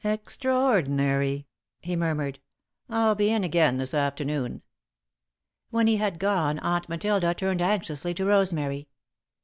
"Extraordinary!" he murmured. "I'll be in again this afternoon." When he had gone, Aunt Matilda turned anxiously to Rosemary.